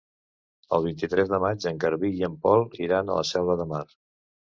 El vint-i-tres de maig en Garbí i en Pol iran a la Selva de Mar.